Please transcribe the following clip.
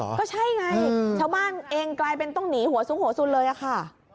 ก็ใช่ไงชาวบ้านเองกลายเป็นต้องหนีหัวซุกหัวสุนเลยอะค่ะ